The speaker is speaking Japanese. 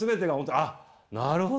あなるほど。